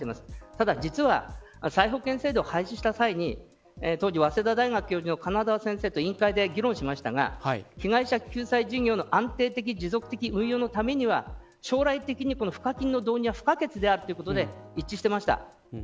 ただ実は再保険制度を廃止した際に当時、早稲田大学の教授の先生と議論しましたが被害者救済事業の安定的、持続的運用のためには将来的、賦課金の導入は不可欠だと一致していました。